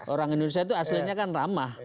orang indonesia itu aslinya kan ramah